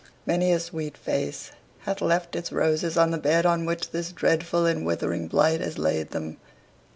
Many a sweet face hath left its roses on the bed on which this dreadful and withering blight has laid them.